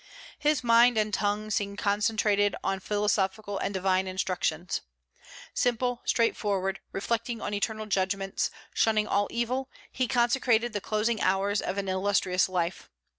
His mind and tongue seemed concentrated on philosophical and divine instructions. Simple, straightforward, reflecting on eternal judgments, shunning all evil, he consecrated the closing hours of an illustrious life.